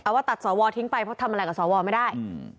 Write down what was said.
ว่าตัดสวทิ้งไปเพราะทำอะไรกับสวไม่ได้